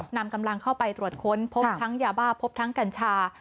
นำกำลังเข้าไปตรวจค้นพบทั้งยาบ้าพบทั้งกัญชา